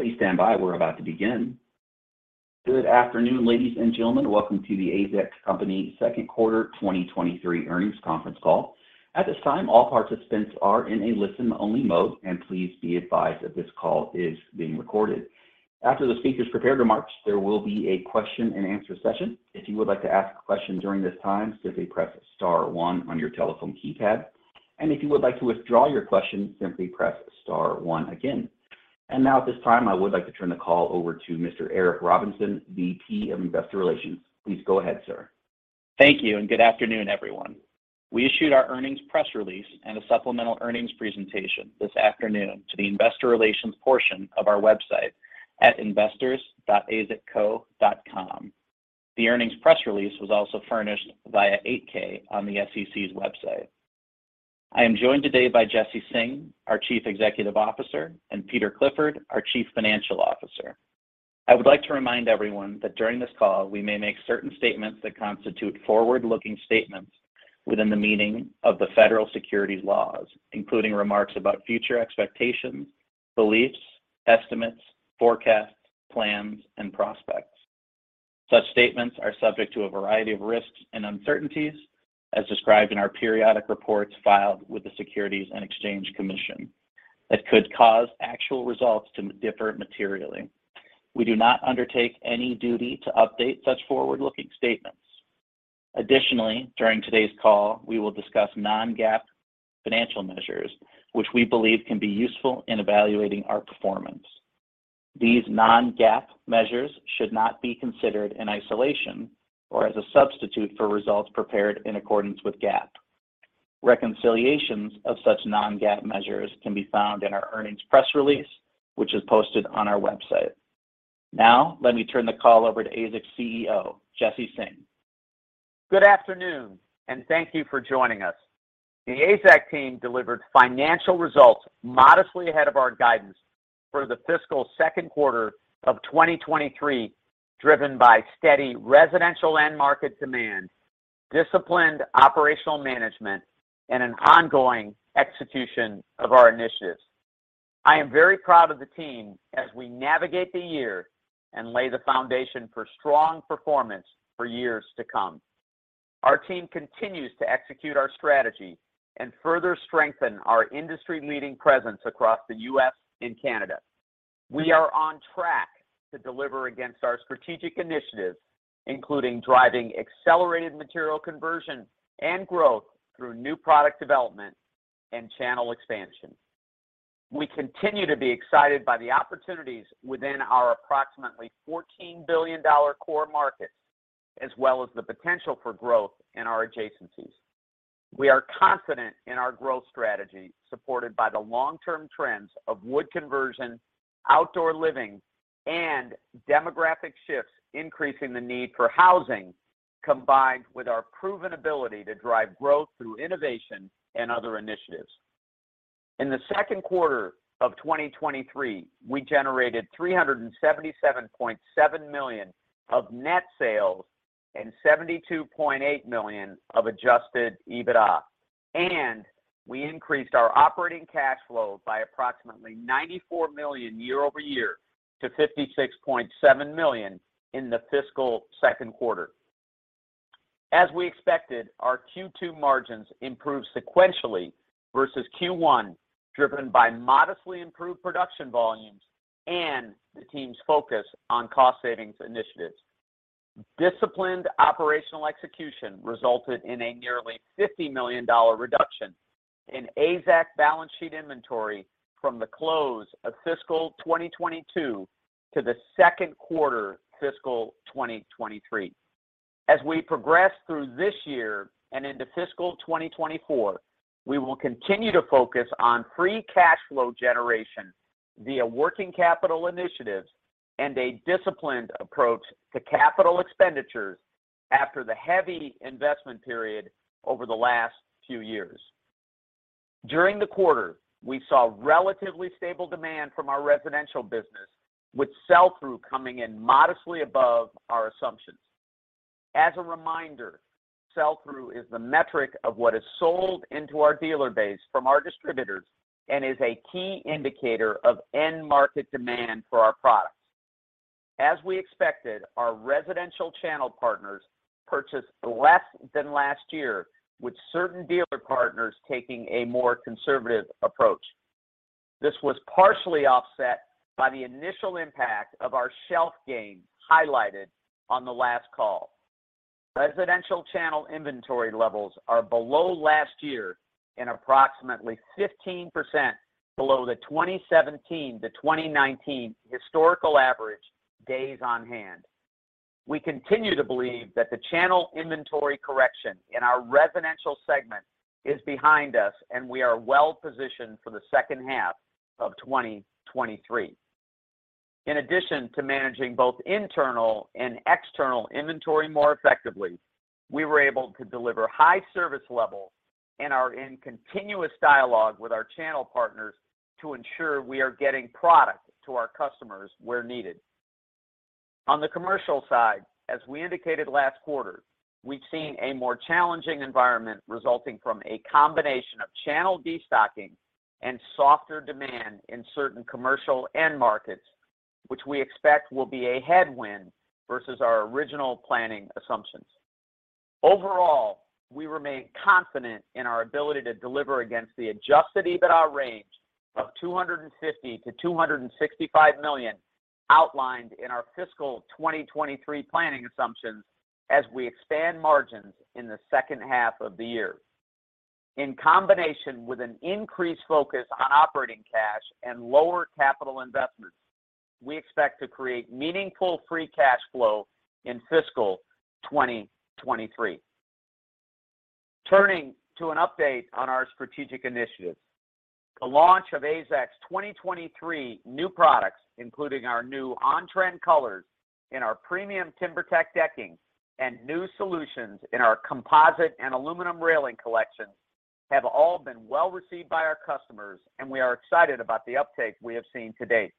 Please stand by. We're about to begin. Good afternoon, ladies and gentlemen. Welcome to The AZEK Company second quarter 2023 earnings conference call. At this time, all participants are in a listen-only mode, and please be advised that this call is being recorded. After the speakers' prepared remarks, there will be a question-and-answer session. If you would like to ask a question during this time, simply press star one on your telephone keypad. If you would like to withdraw your question, simply press star one again. Now at this time, I would like to turn the call over to Mr. Eric Robinson, VP of Investor Relations. Please go ahead, sir. Thank you. Good afternoon, everyone. We issued our earnings press release and a supplemental earnings presentation this afternoon to the investor relations portion of our website at investors.azekco.com. The earnings press release was also furnished via Form 8-K on the SEC's website. I am joined today by Jesse Singh, our Chief Executive Officer, and Peter Clifford, our Chief Financial Officer. I would like to remind everyone that during this call, we may make certain statements that constitute forward-looking statements within the meaning of the federal securities laws, including remarks about future expectations, beliefs, estimates, forecasts, plans, and prospects. Such statements are subject to a variety of risks and uncertainties as described in our periodic reports filed with the Securities and Exchange Commission that could cause actual results to differ materially. We do not undertake any duty to update such forward-looking statements. Additionally, during today's call, we will discuss Non-GAAP financial measures, which we believe can be useful in evaluating our performance. These Non-GAAP measures should not be considered in isolation or as a substitute for results prepared in accordance with GAAP. Reconciliations of such Non-GAAP measures can be found in our earnings press release, which is posted on our website. Now, let me turn the call over to AZEK's CEO, Jesse Singh. Good afternoon, thank you for joining us. The AZEK team delivered financial results modestly ahead of our guidance for the fiscal second quarter of 2023, driven by steady residential end market demand, disciplined operational management, and an ongoing execution of our initiatives. I am very proud of the team as we navigate the year and lay the foundation for strong performance for years to come. Our team continues to execute our strategy and further strengthen our industry-leading presence across the U.S. and Canada. We are on track to deliver against our strategic initiatives, including driving accelerated material conversion and growth through new product development and channel expansion. We continue to be excited by the opportunities within our approximately $14 billion core market, as well as the potential for growth in our adjacencies. We are confident in our growth strategy, supported by the long-term trends of wood conversion, outdoor living, and demographic shifts increasing the need for housing, combined with our proven ability to drive growth through innovation and other initiatives. In the second quarter of 2023, we generated $377.7 million of net sales and $72.8 million of Adjusted EBITDA. We increased our operating cash flow by approximately $94 million year-over-year to $56.7 million in the fiscal second quarter. As we expected, our Q2 margins improved sequentially versus Q1, driven by modestly improved production volumes and the team's focus on cost savings initiatives. Disciplined operational execution resulted in a nearly $50 million reduction in AZEK balance sheet inventory from the close of fiscal 2022 to the second quarter fiscal 2023. As we progress through this year and into fiscal 2024, we will continue to focus on free cash flow generation via working capital initiatives and a disciplined approach to capital expenditures after the heavy investment period over the last few years. During the quarter, we saw relatively stable demand from our residential business, with sell-through coming in modestly above our assumptions. As a reminder, sell-through is the metric of what is sold into our dealer base from our distributors and is a key indicator of end market demand for our products. As we expected, our residential channel partners purchased less than last year, with certain dealer partners taking a more conservative approach. This was partially offset by the initial impact of our shelf gain highlighted on the last call. Residential channel inventory levels are below last year and approximately 15% below the 2017-2019 historical average days on hand. We continue to believe that the channel inventory correction in our residential segment is behind us, and we are well positioned for the second half of 2023. In addition to managing both internal and external inventory more effectively, we were able to deliver high service levels and are in continuous dialogue with our channel partners to ensure we are getting product to our customers where needed. On the commercial side, as we indicated last quarter, we've seen a more challenging environment resulting from a combination of channel destocking and softer demand in certain commercial end markets, which we expect will be a headwind versus our original planning assumptions. Overall, we remain confident in our ability to deliver against the Adjusted EBITDA range of $250 million-$265 million outlined in our fiscal 2023 planning assumptions as we expand margins in the second half of the year. In combination with an increased focus on operating cash and lower capital investments, we expect to create meaningful free cash flow in fiscal 2023. Turning to an update on our strategic initiatives, the launch of AZEK's 2023 new products, including our new on-trend colors in our premium TimberTech decking and new solutions in our composite and aluminum railing collections, have all been well received by our customers, and we are excited about the uptake we have seen to date.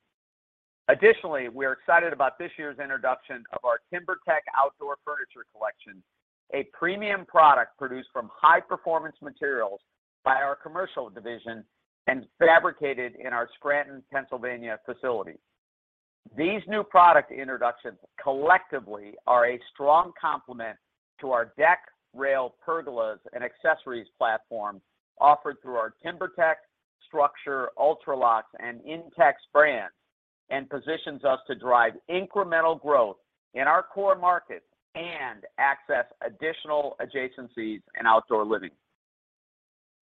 We are excited about this year's introduction of our TimberTech outdoor furniture collection, a premium product produced from high-performance materials by our commercial division and fabricated in our Scranton, Pennsylvania facility. These new product introductions collectively are a strong complement to our deck, rail, pergolas, and accessories platform offered through our TimberTech, StruXure, Ultralox, and INTEX brands and positions us to drive incremental growth in our core markets and access additional adjacencies in outdoor living.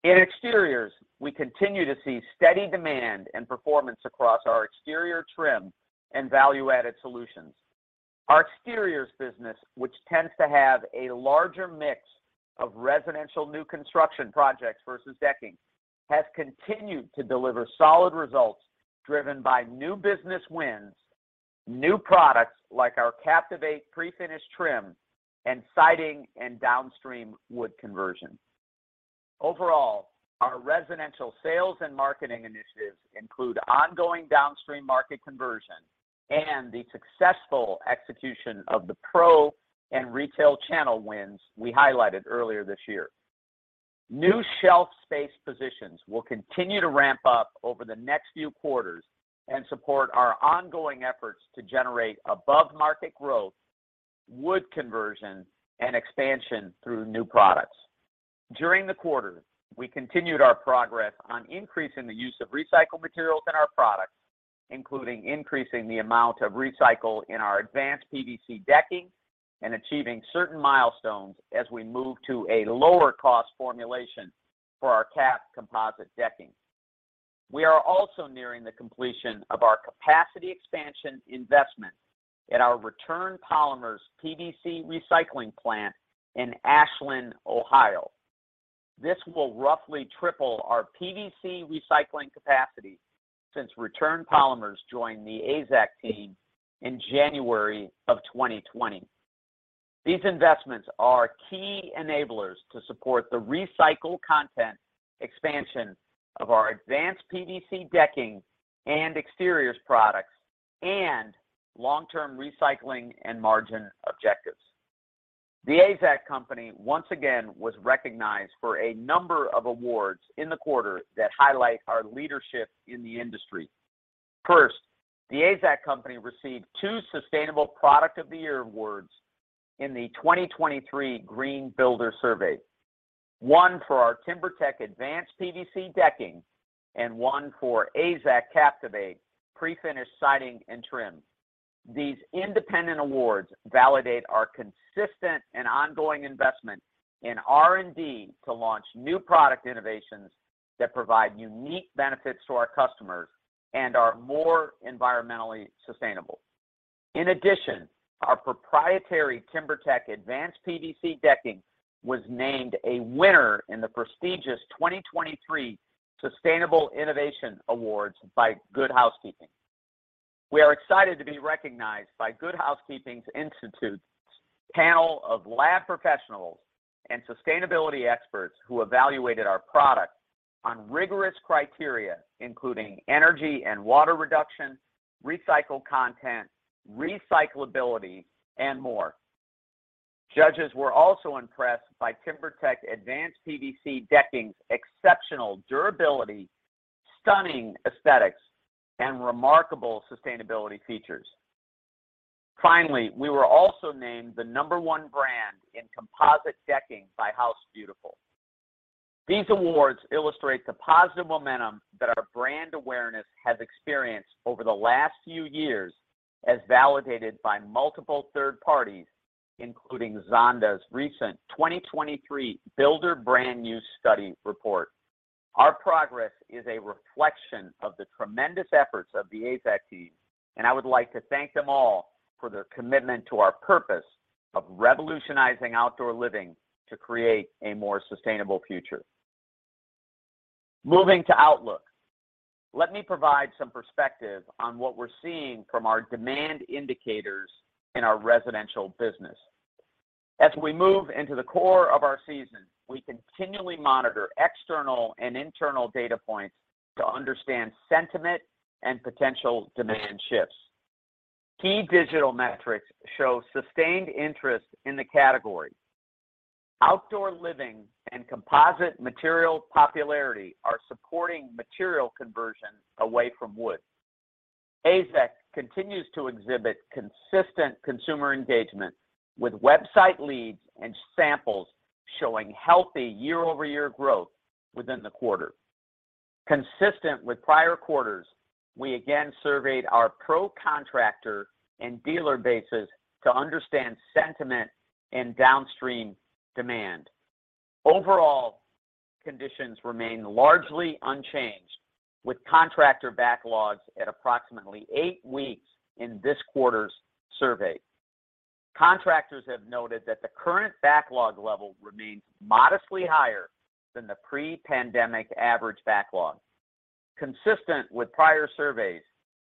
In exteriors, we continue to see steady demand and performance across our exterior trim and value-added solutions. Our exteriors business, which tends to have a larger mix of residential new construction projects versus decking, has continued to deliver solid results driven by new business wins, new products like our Captivate prefinished trim, and siding and downstream wood conversion. Overall, our residential sales and marketing initiatives include ongoing downstream market conversion and the successful execution of the pro and retail channel wins we highlighted earlier this year. New shelf space positions will continue to ramp up over the next few quarters and support our ongoing efforts to generate above-market growth, wood conversion, and expansion through new products. During the quarter, we continued our progress on increasing the use of recycled materials in our products, including increasing the amount of recycle in our advanced PVC decking and achieving certain milestones as we move to a lower-cost formulation for our Capped composite decking. We are also nearing the completion of our capacity expansion investment at our Return Polymers PVC recycling plant in Ashland, Ohio. This will roughly triple our PVC recycling capacity since Return Polymers joined the AZEK team in January of 2020. These investments are key enablers to support the recycled content expansion of our advanced PVC decking and exteriors products and long-term recycling and margin objectives. The AZEK Company once again was recognized for a number of awards in the quarter that highlight our leadership in the industry. The AZEK Company received 2 Sustainable Product of the Year awards in the 2023 Green Builder Survey, one for our TimberTech advanced PVC decking and one for AZEK Captivate prefinished siding and trim. These independent awards validate our consistent and ongoing investment in R&D to launch new product innovations that provide unique benefits to our customers and are more environmentally sustainable. Our proprietary TimberTech advanced PVC decking was named a winner in the prestigious 2023 Sustainable Innovation Awards by Good Housekeeping. We are excited to be recognized by Good Housekeeping Institute's panel of lab professionals and sustainability experts who evaluated our product on rigorous criteria, including energy and water reduction, recycled content, recyclability, and more. Judges were also impressed by TimberTech advanced PVC decking's exceptional durability, stunning aesthetics, and remarkable sustainability features. We were also named the number one brand in composite decking by House Beautiful. These awards illustrate the positive momentum that our brand awareness has experienced over the last few years, as validated by multiple third parties, including Zonda's recent 2023 Builder Brand Use Study report. Our progress is a reflection of the tremendous efforts of the AZEK team, and I would like to thank them all for their commitment to our purpose of revolutionizing outdoor living to create a more sustainable future. Moving to outlook, let me provide some perspective on what we're seeing from our demand indicators in our residential business. We move into the core of our season, we continually monitor external and internal data points to understand sentiment and potential demand shifts. Key digital metrics show sustained interest in the category. Outdoor living and composite material popularity are supporting material conversion away from wood. AZEK continues to exhibit consistent consumer engagement with website leads and samples showing healthy year-over-year growth within the quarter. Consistent with prior quarters, we again surveyed our pro contractor and dealer bases to understand sentiment and downstream demand. Conditions remain largely unchanged, with contractor backlogs at approximately eight weeks in this quarter's survey. Contractors have noted that the current backlog level remains modestly higher than the pre-pandemic average backlog. Consistent with prior surveys,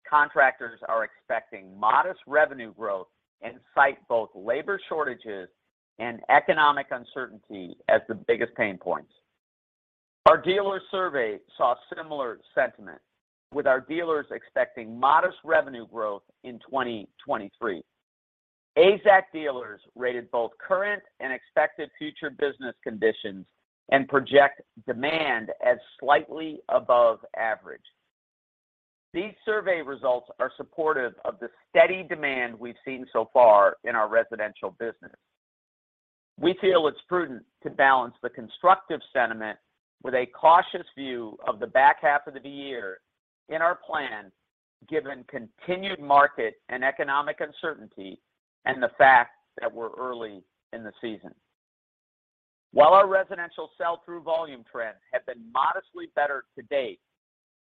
contractors are expecting modest revenue growth and cite both labor shortages and economic uncertainty as the biggest pain points. Our dealer survey saw similar sentiment, with our dealers expecting modest revenue growth in 2023. AZEK dealers rated both current and expected future business conditions and project demand as slightly above average. These survey results are supportive of the steady demand we've seen so far in our residential business. We feel it's prudent to balance the constructive sentiment with a cautious view of the back half of the year in our plan, given continued market and economic uncertainty and the fact that we're early in the season. While our residential sell-through volume trends have been modestly better to date,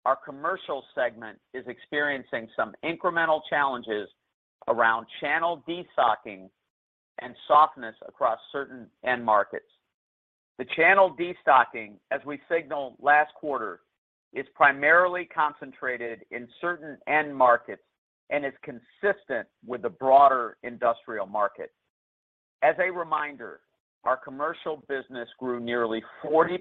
our commercial segment is experiencing some incremental challenges around channel destocking and softness across certain end markets. The channel destocking, as we signaled last quarter, is primarily concentrated in certain end markets and is consistent with the broader industrial market. As a reminder, our commercial business grew nearly 40%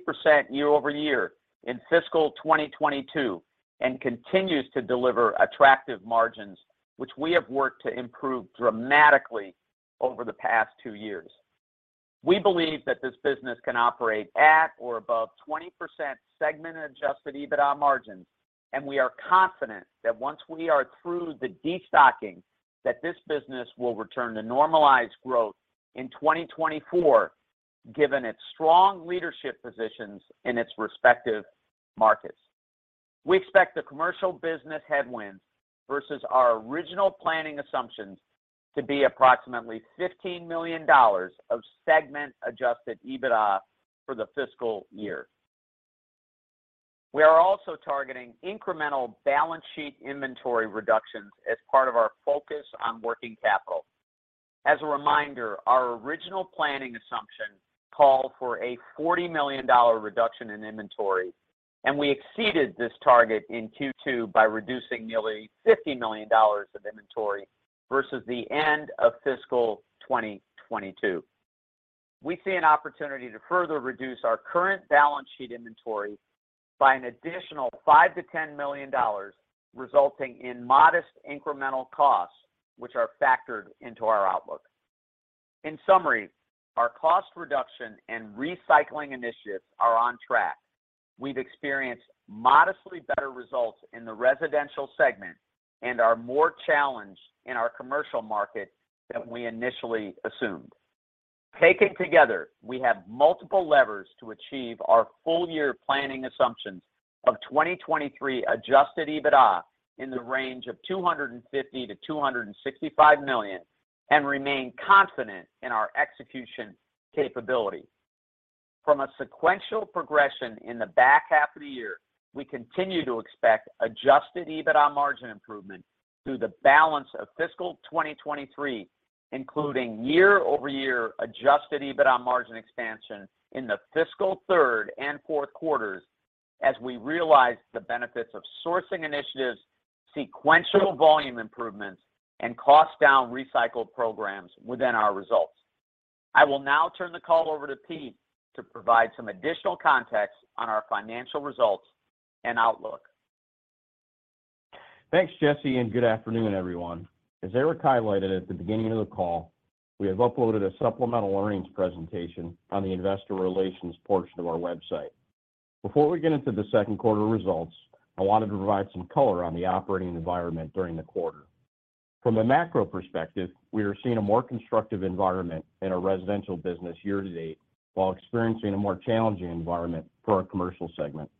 year-over-year in fiscal 2022 and continues to deliver attractive margins, which we have worked to improve dramatically over the past two years. We believe that this business can operate at or above 20% segment Adjusted EBITDA margins, and we are confident that once we are through the destocking, that this business will return to normalized growth in 2024, given its strong leadership positions in its respective markets. We expect the commercial business headwind versus our original planning assumptions to be approximately $15 million of segment Adjusted EBITDA for the fiscal year. We are also targeting incremental balance sheet inventory reductions as part of our focus on working capital. As a reminder, our original planning assumption called for a $40 million reduction in inventory. We exceeded this target in Q2 by reducing nearly $50 million of inventory versus the end of fiscal 2022. We see an opportunity to further reduce our current balance sheet inventory by an additional $5 million-$10 million, resulting in modest incremental costs, which are factored into our outlook. In summary, our cost reduction and recycling initiatives are on track. We've experienced modestly better results in the residential segment and are more challenged in our commercial market than we initially assumed. Taken together, we have multiple levers to achieve our full year planning assumptions of 2023 Adjusted EBITDA in the range of $250 million-$265 million and remain confident in our execution capability. From a sequential progression in the back half of the year, we continue to expect Adjusted EBITDA margin improvement through the balance of fiscal 2023, including year-over-year Adjusted EBITDA margin expansion in the fiscal third and fourth quarters as we realize the benefits of sourcing initiatives, sequential volume improvements, and cost-down recycled programs within our results. I will now turn the call over to Pete to provide some additional context on our financial results and outlook. Thanks, Jesse. Good afternoon, everyone. As Eric highlighted at the beginning of the call, we have uploaded a supplemental earnings presentation on the investor relations portion of our website. Before we get into the second quarter results, I wanted to provide some color on the operating environment during the quarter. From a macro perspective, we are seeing a more constructive environment in our residential business year-to-date while experiencing a more challenging environment for our commercial segment.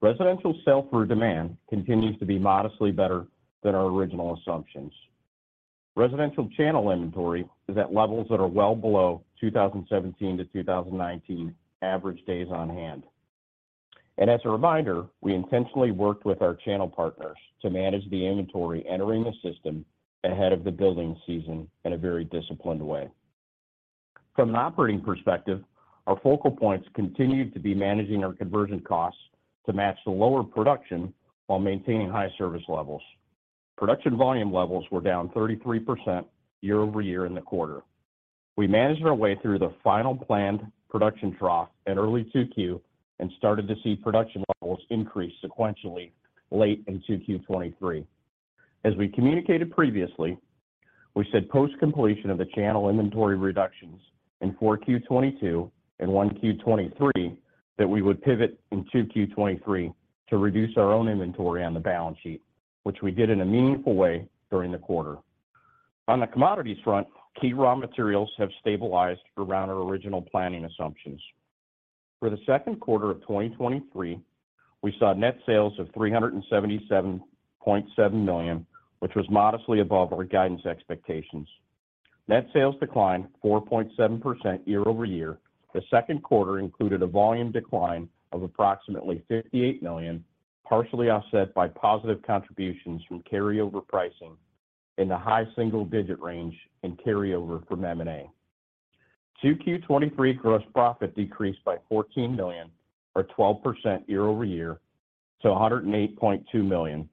Residential sell-through demand continues to be modestly better than our original assumptions. Residential channel inventory is at levels that are well below 2017-2019 average days on hand. As a reminder, we intentionally worked with our channel partners to manage the inventory entering the system ahead of the building season in a very disciplined way. From an operating perspective, our focal points continue to be managing our conversion costs to match the lower production while maintaining high service levels. Production volume levels were down 33% year-over-year in the quarter. We managed our way through the final planned production trough in early 2Q and started to see production levels increase sequentially late in 2Q 2023. As we communicated previously, we said post completion of the channel inventory reductions in 4Q 2022 and 1Q 2023 that we would pivot in 2Q 2023 to reduce our own inventory on the balance sheet, which we did in a meaningful way during the quarter. On the commodities front, key raw materials have stabilized around our original planning assumptions. For the second quarter of 2023, we saw net sales of $377.7 million, which was modestly above our guidance expectations. Net sales declined 4.7% year-over-year. The second quarter included a volume decline of approximately $58 million, partially offset by positive contributions from carryover pricing in the high single digit range in carryover from M&A. 2Q 2023 gross profit decreased by $14 million or 12% year-over-year to $108.2 million.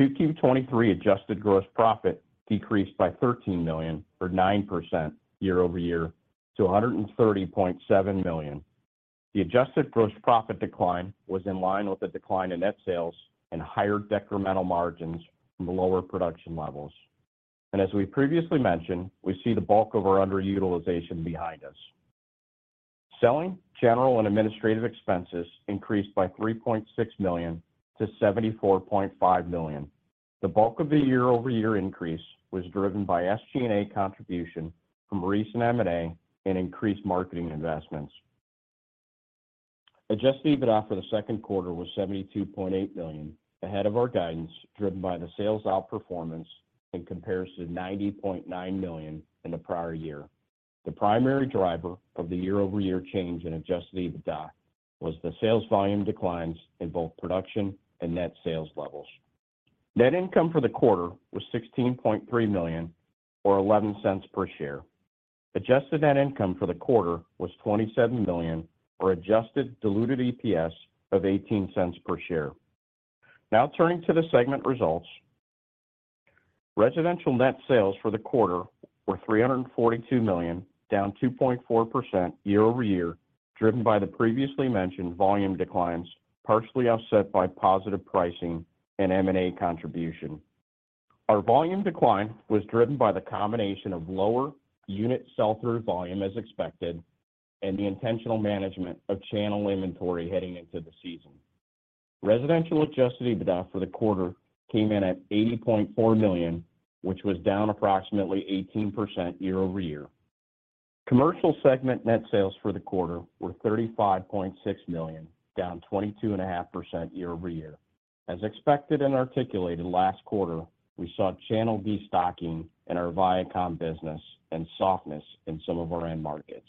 2Q 2023 adjusted gross profit decreased by $13 million or 9% year-over-year to $130.7 million. The adjusted gross profit decline was in line with the decline in net sales and higher decremental margins from the lower production levels. As we previously mentioned, we see the bulk of our underutilization behind us. Selling, general and administrative expenses increased by $3.6 million to $74.5 million. The bulk of the year-over-year increase was driven by SG&A contribution from recent M&A and increased marketing investments. Adjusted EBITDA for the second quarter was $72.8 million, ahead of our guidance driven by the sales outperformance in comparison to $90.9 million in the prior year. The primary driver of the year-over-year change in Adjusted EBITDA was the sales volume declines in both production and net sales levels. Net income for the quarter was $16.3 million or $0.11 per share. Adjusted net income for the quarter was $27 million or adjusted diluted EPS of $0.18 per share. Now turning to the segment results. Residential net sales for the quarter were $342 million, down 2.4% year-over-year, driven by the previously mentioned volume declines, partially offset by positive pricing and M&A contribution. Our volume decline was driven by the combination of lower unit sell-through volume as expected and the intentional management of channel inventory heading into the season. Residential Adjusted EBITDA for the quarter came in at $80.4 million, which was down approximately 18% year-over-year. Commercial segment net sales for the quarter were $35.6 million, down 22.5% year-over-year. As expected and articulated last quarter, we saw channel destocking in our Vycom business and softness in some of our end markets.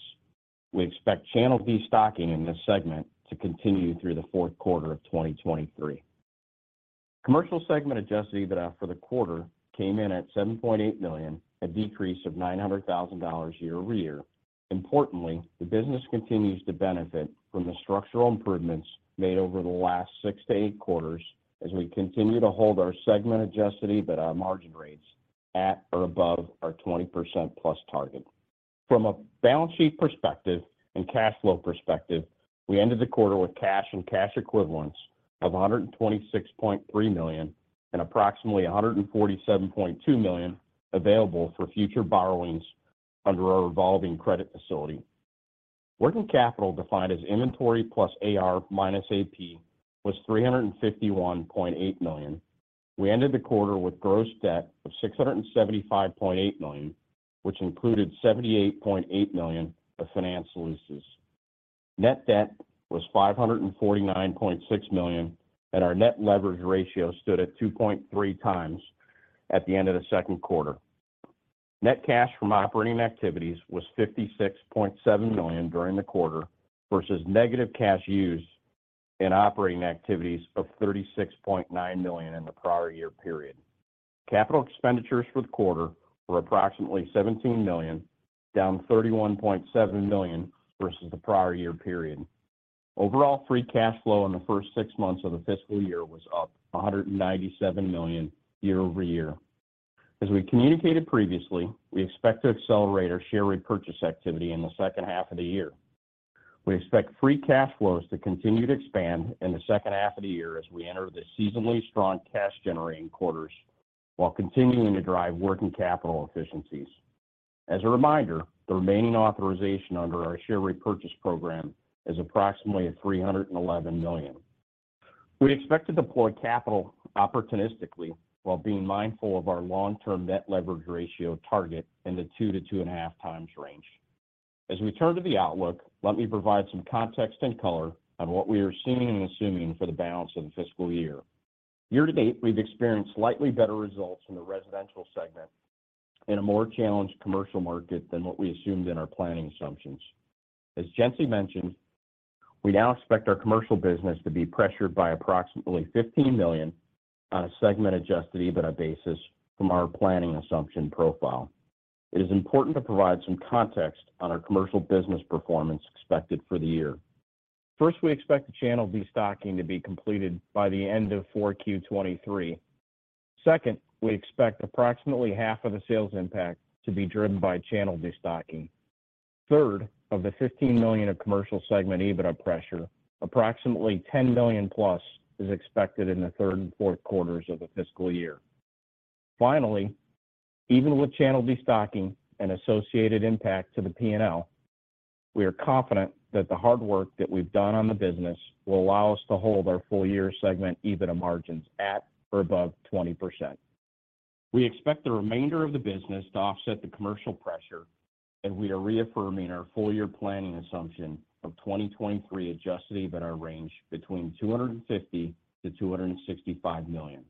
We expect channel destocking in this segment to continue through the fourth quarter of 2023. Commercial segment Adjusted EBITDA for the quarter came in at $7.8 million, a decrease of $900,000 year-over-year. Importantly, the business continues to benefit from the structural improvements made over the last 6-8 quarters as we continue to hold our segment Adjusted EBITDA margin rates at or above our 20%+ target. From a balance sheet perspective and cash flow perspective, we ended the quarter with cash and cash equivalents of $126.3 million and approximately $147.2 million available for future borrowings under our revolving credit facility. Working capital defined as inventory plus AR minus AP was $351.8 million. We ended the quarter with gross debt of $675.8 million, which included $78.8 million of finance leases. Net debt was $549.6 million, and our net leverage ratio stood at 2.3 times at the end of the second quarter. Net cash from operating activities was $56.7 million during the quarter versus negative cash use in operating activities of $36.9 million in the prior year period. Capital expenditures for the quarter were approximately $17 million, down $31.7 million versus the prior year period. Overall, free cash flow in the first six months of the fiscal year was up $197 million year-over-year. As we communicated previously, we expect to accelerate our share repurchase activity in the second half of the year. We expect free cash flows to continue to expand in the second half of the year as we enter the seasonally strong cash generating quarters while continuing to drive working capital efficiencies. As a reminder, the remaining authorization under our share repurchase program is approximately at $311 million. We expect to deploy capital opportunistically while being mindful of our long-term net leverage ratio target in the 2x-2.5x range. As we turn to the outlook, let me provide some context and color on what we are seeing and assuming for the balance of the fiscal year. Year to date, we've experienced slightly better results in the residential segment in a more challenged commercial market than what we assumed in our planning assumptions. As Jesse mentioned, we now expect our commercial business to be pressured by approximately $15 million on a segment Adjusted EBITDA basis from our planning assumption profile. It is important to provide some context on our commercial business performance expected for the year. First, we expect the channel destocking to be completed by the end of 4Q 2023. Second, we expect approximately half of the sales impact to be driven by channel destocking. Third of the $15 million of commercial segment EBITDA pressure, approximately $10+ million is expected in the third and fourth quarters of the fiscal year. Finally, even with channel destocking and associated impact to the P&L, we are confident that the hard work that we've done on the business will allow us to hold our full year segment EBITDA margins at or above 20%. We expect the remainder of the business to offset the commercial pressure, and we are reaffirming our full year planning assumption of 2023 Adjusted EBITDA range between $250 million-$265 million.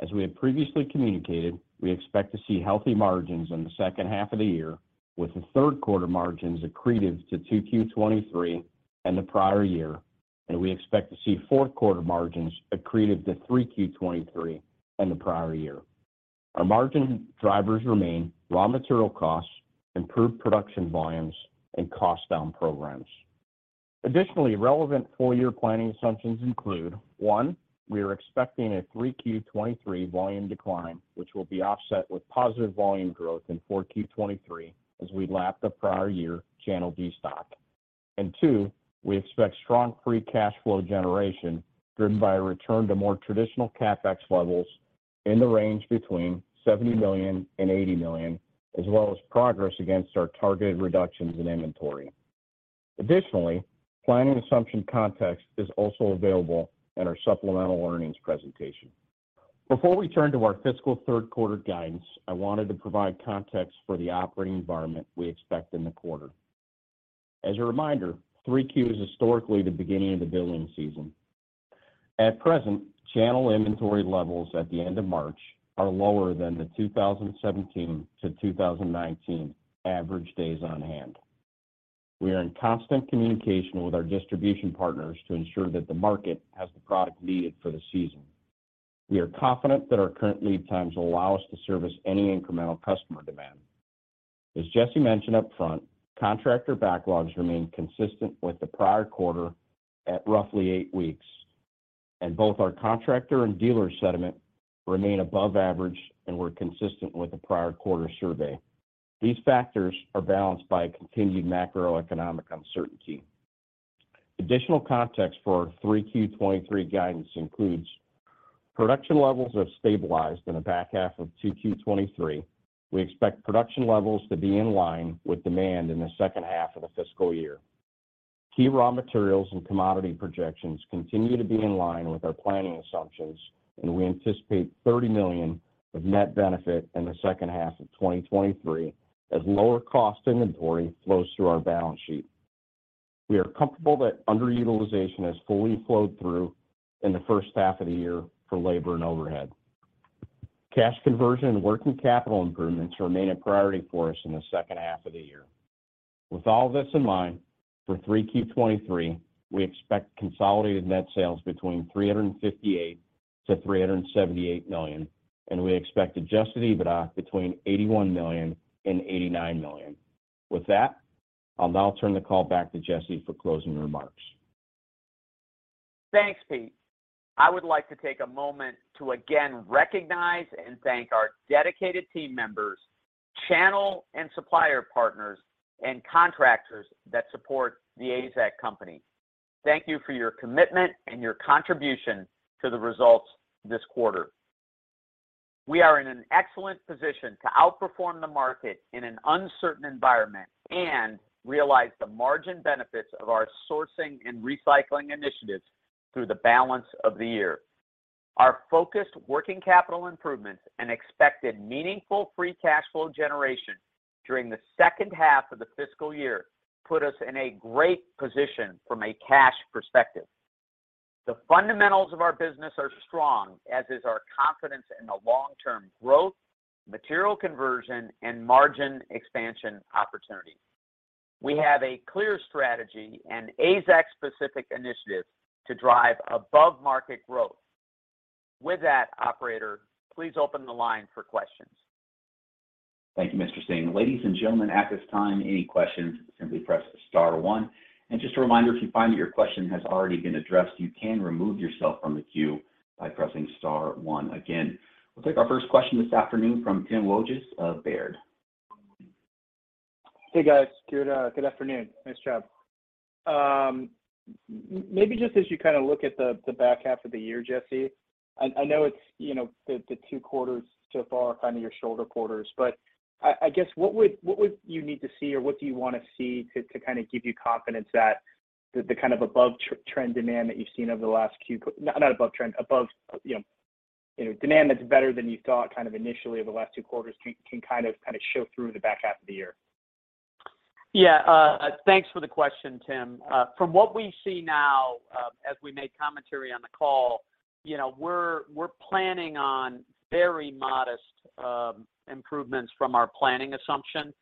As we have previously communicated, we expect to see healthy margins in the second half of the year, with the third quarter margins accretive to 2Q 23 and the prior year, and we expect to see fourth quarter margins accretive to 3Q 23 and the prior year. Our margin drivers remain raw material costs, improved production volumes, and cost down programs. Additionally, relevant full year planning assumptions include, 1, we are expecting a 3Q 23 volume decline, which will be offset with positive volume growth in 4Q 23 as we lap the prior year channel destock. 2, we expect strong free cash flow generation driven by a return to more traditional CapEx levels in the range between $70 million and $80 million, as well as progress against our targeted reductions in inventory. Additionally, planning assumption context is also available in our supplemental earnings presentation. Before we turn to our fiscal third quarter guidance, I wanted to provide context for the operating environment we expect in the quarter. As a reminder, 3Q is historically the beginning of the building season. At present, channel inventory levels at the end of March are lower than the 2017-2019 average days on hand. We are in constant communication with our distribution partners to ensure that the market has the product needed for the season. We are confident that our current lead times will allow us to service any incremental customer demand. As Jesse mentioned up front, contractor backlogs remain consistent with the prior quarter at roughly eight weeks. Both our contractor and dealer sentiment remain above average and were consistent with the prior quarter survey. These factors are balanced by continued macroeconomic uncertainty. Additional context for our 3Q 2023 guidance includes: production levels have stabilized in the back half of 2Q 2023. We expect production levels to be in line with demand in the second half of the fiscal year. Key raw materials and commodity projections continue to be in line with our planning assumptions. We anticipate $30 million of net benefit in the second half of 2023 as lower cost inventory flows through our balance sheet. We are comfortable that underutilization has fully flowed through in the first half of the year for labor and overhead. Cash conversion and working capital improvements remain a priority for us in the second half of the year. With all this in mind, for 3Q 2023, we expect consolidated net sales between $358 million-$378 million, and we expect Adjusted EBITDA between $81 million and $89 million. With that, I'll now turn the call back to Jesse for closing remarks. Thanks, Pete. I would like to take a moment to again recognize and thank our dedicated team members, channel and supplier partners, and contractors that support The AZEK Company. Thank you for your commitment and your contribution to the results this quarter. We are in an excellent position to outperform the market in an uncertain environment and realize the margin benefits of our sourcing and recycling initiatives through the balance of the year. Our focused working capital improvements and expected meaningful free cash flow generation during the second half of the fiscal year put us in a great position from a cash perspective. The fundamentals of our business are strong, as is our confidence in the long-term growth, material conversion, and margin expansion opportunities. We have a clear strategy and AZEK-specific initiatives to drive above-market growth. With that, operator, please open the line for questions. Thank you, Jesse Singh. Ladies and gentlemen, at this time, any questions, simply press star one. Just a reminder, if you find that your question has already been addressed, you can remove yourself from the queue by pressing star one again. We'll take our first question this afternoon from Timothy Wojs of Baird. Hey, guys. Good afternoon. Nice job. maybe just as you kind of look at the back half of the year, Jesse, I know it's, you know, the 2Quarters so far are kind of your shorter quarters. I guess, what would, what would you need to see or what do you wanna see to kind of give you confidence that the kind of above trend demand that you've seen over the last not above trend, above, you know, you know, demand that's better than you thought kind of initially over the last 2Quarters can kind of show through the back half of the year? Yeah. Thanks for the question, Tim. From what we see now, as we made commentary on the call, you know, we're planning on very modest improvements from our planning assumption.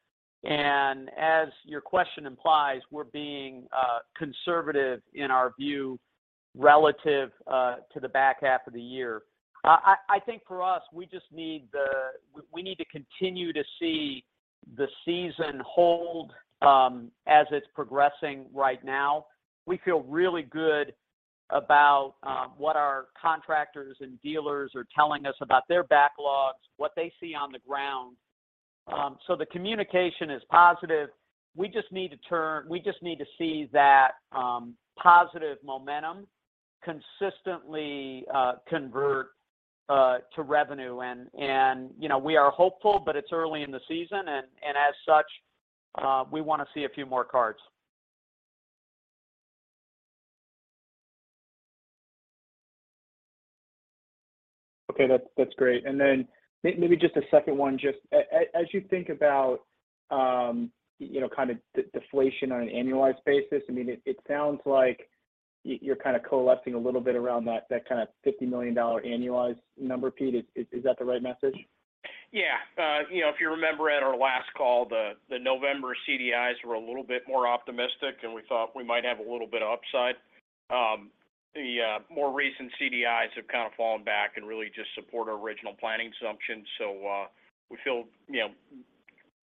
As your question implies, we're being conservative in our view relative to the back half of the year. I think for us, we need to continue to see the season hold, as it's progressing right now, we feel really good about what our contractors and dealers are telling us about their backlogs, what they see on the ground. The communication is positive. We just need to see that positive momentum consistently convert to revenue. You know, we are hopeful, but it's early in the season and as such, we wanna see a few more cards. Okay. That's great. Maybe just a second one as you think about, you know, kind of deflation on an annualized basis, I mean, it sounds like you're kind of coalescing a little bit around that kind of $50 million annualized number, Pete. Is that the right message? Yeah. you know, if you remember at our last call, the November CDIs were a little bit more optimistic, and we thought we might have a little bit of upside. The more recent CDIs have kind of fallen back and really just support our original planning assumptions. We feel, you know,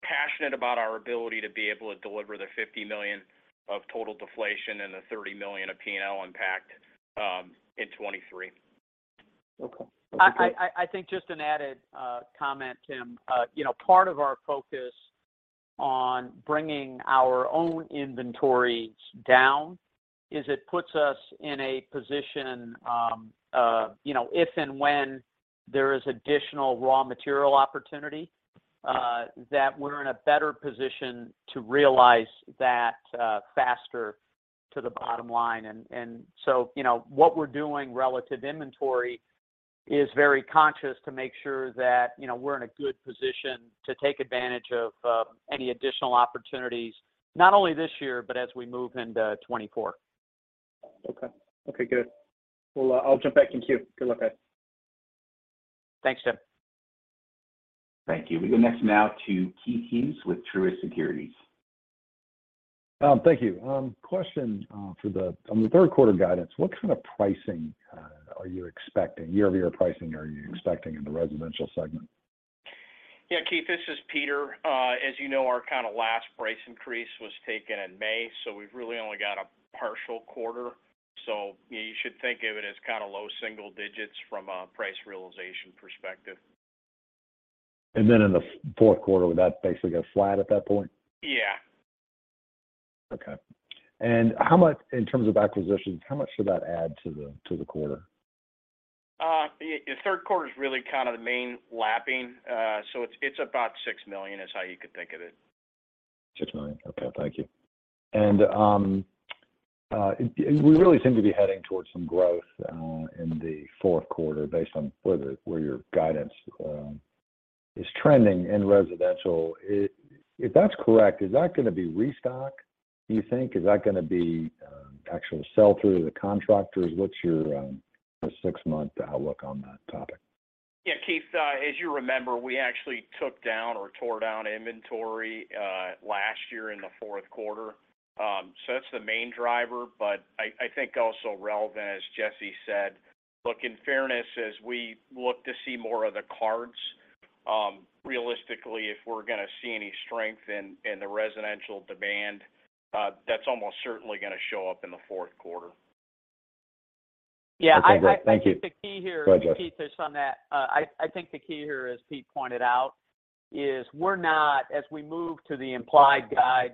passionate about our ability to be able to deliver the $50 million of total deflation and the $30 million of P&L impact in 2023. Okay. That's great. I think just an added comment, Tim, you know, part of our focus on bringing our own inventories down is it puts us in a position, you know, if and when there is additional raw material opportunity, that we're in a better position to realize that faster to the bottom line. You know, what we're doing relative inventory is very conscious to make sure that, you know, we're in a good position to take advantage of any additional opportunities, not only this year, but as we move into 2024. Okay. Okay, good. I'll jump back in queue. Good luck, guys. Thanks, Tim. Thank you. We go next now to Keith Hughes with Truist Securities. Thank you. Question on the third quarter guidance, what kind of pricing are you expecting? Year-over-year pricing are you expecting in the residential segment? Yeah. Keith, this is Peter. As you know, our kind of last price increase was taken in May, so we've really only got a partial quarter. You should think of it as kind of low single digits from a price realization perspective. In the fourth quarter, would that basically go flat at that point? Yeah. Okay. In terms of acquisitions, how much did that add to the quarter? The third quarter is really kind of the main lapping. It's about $6 million is how you could think of it. $6 million. Okay, thank you. We really seem to be heading towards some growth in the fourth quarter based on where your guidance is trending in residential. If that's correct, is that gonna be restock, do you think? Is that gonna be actual sell-through to the contractors? What's your six-month outlook on that topic? Yeah. Keith, as you remember, we actually took down or tore down inventory last year in the fourth quarter. That's the main driver. I think also relevant, as Jesse said. Look, in fairness, as we look to see more of the cards, realistically, if we're gonna see any strength in the residential demand, that's almost certainly gonna show up in the fourth quarter. Okay, great. Thank you. Yeah. I think the key here... Go ahead, Jesse. Keith, just on that. I think the key here, as Pete pointed out, is as we move to the implied guide,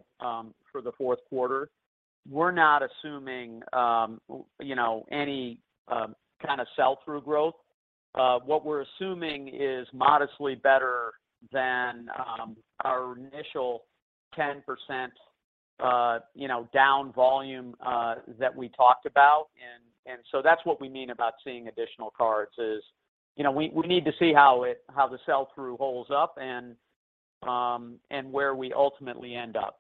for the fourth quarter, we're not assuming, you know, any, kind of sell-through growth. What we're assuming is modestly better than our initial 10%, you know, down volume, that we talked about. That's what we mean about seeing additional cards is, you know, we need to see how the sell-through holds up and where we ultimately end up.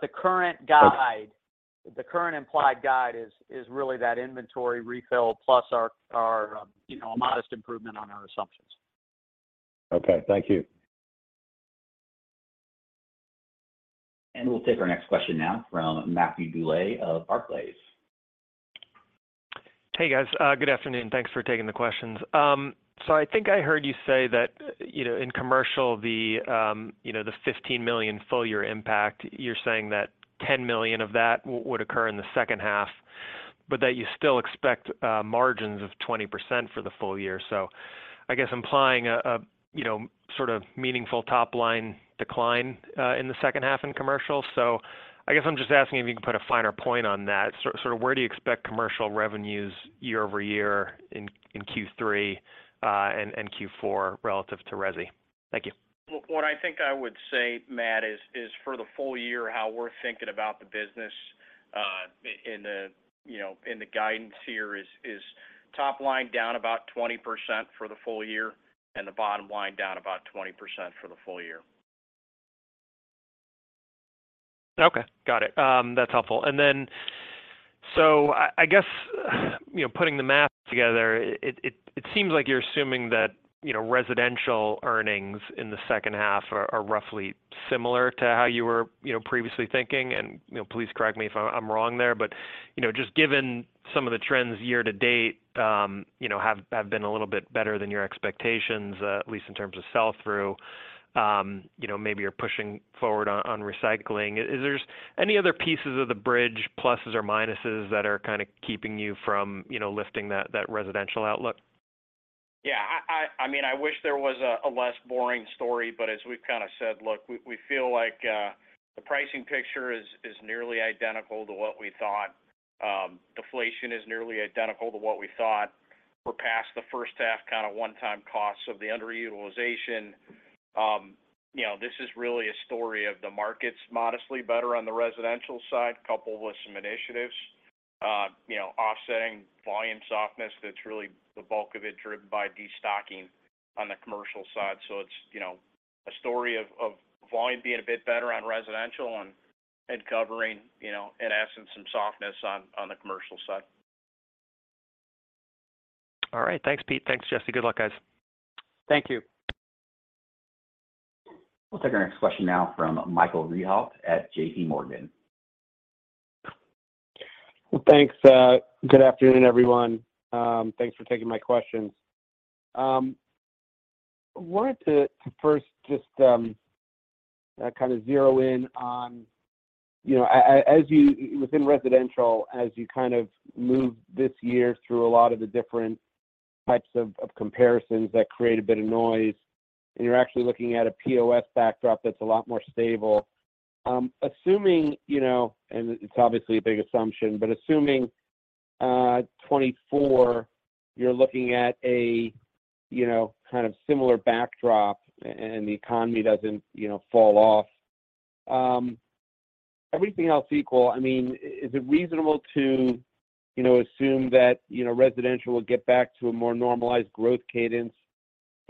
The current guide. Okay. The current implied guide is really that inventory refill plus our, you know, a modest improvement on our assumptions. Okay. Thank you. We'll take our next question now from Matthew Bouley of Barclays. Hey, guys. good afternoon. Thanks for taking the questions. I think I heard you say that, you know, in commercial, the, you know, the $15 million full year impact, you're saying that $10 million of that would occur in the second half, but that you still expect, margins of 20% for the full year. I guess implying a, you know, sort of meaningful top line decline, in the second half in commercial. I guess I'm just asking if you can put a finer point on that. Sort of where do you expect commercial revenues year-over-year in Q3, and Q4 relative to resi? Thank you. Look, what I think I would say, Matt, is for the full year, how we're thinking about the business, in the, you know, in the guidance here is top line down about 20% for the full year and the bottom line down about 20% for the full year. Okay. Got it. That's helpful. I guess, you know, putting the math together, it seems like you're assuming that, you know, residential earnings in the second half are roughly similar to how you were, you know, previously thinking. Please correct me if I'm wrong there, but, you know, just given some of the trends year-to-date, you know, have been a little bit better than your expectations, at least in terms of sell-through. You know, maybe you're pushing forward on recycling. Is there any other pieces of the bridge, pluses or minuses, that are kind of keeping you from, you know, lifting that residential outlook? Yeah. I mean, I wish there was a less boring story, but as we've kind of said, look, we feel like the pricing picture is nearly identical to what we thought. Deflation is nearly identical to what we thought. We're past the first half kind of one-time costs of the underutilization. You know, this is really a story of the markets modestly better on the residential side, coupled with some initiatives. You know, offsetting volume softness that's really the bulk of it driven by destocking on the commercial side. It's, you know, a story of volume being a bit better on residential and covering, you know, in essence, some softness on the commercial side. All right. Thanks, Pete. Thanks, Jesse. Good luck, guys. Thank you. We'll take our next question now from Michael Rehaut at JPMorgan. Well, thanks. Good afternoon, everyone. Thanks for taking my questions. Wanted to first just, kind of zero in on, you know, as you within residential, as you kind of move this year through a lot of the different types of comparisons that create a bit of noise, and you're actually looking at a POS backdrop that's a lot more stable. Assuming, you know, and it's obviously a big assumption, but assuming 2024, you're looking at a, you know, kind of similar backdrop and the economy doesn't, you know, fall off. Everything else equal, I mean, is it reasonable to, you know, assume that, you know, residential will get back to a more normalized growth cadence?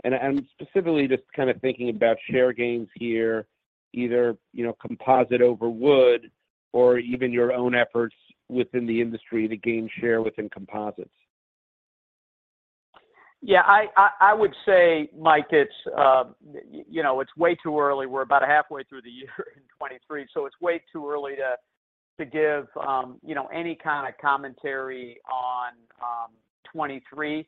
I'm specifically just kind of thinking about share gains here, either, you know, composite over wood, or even your own efforts within the industry to gain share within composites. Yeah. I would say, Mike, you know, it's way too early. We're about halfway through the year in 2023. It's way too early to give, you know, any kind of commentary on 2023.